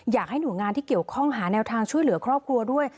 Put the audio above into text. อยากให้หน่วยงานที่เกี่ยวข้องหาแนวทางช่วยเหลือครอบครัวด้วย